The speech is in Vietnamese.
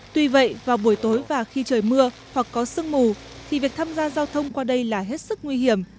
tuy vậy vào buổi tối và khi trời mưa hoặc có sương mù thì việc tham gia giao thông qua đây là hết sức nguy hiểm